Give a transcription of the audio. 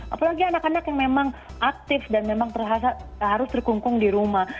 apalagi anak anak yang memang aktif dan memang harus terkungkung di rumah